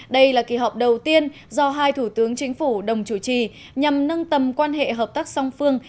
đây là kỳ họp đầu tiên do hai thủ tướng chính phủ đồng chủ trì nhằm nâng tầm quan hệ hợp tác song phương